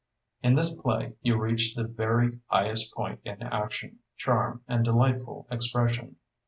In this play, you reach the very highest point in action, charm and delightful expression.